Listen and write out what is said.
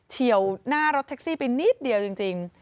เชี่ยวหน้ารถแท็กซี่ไปนิดเดียวจริง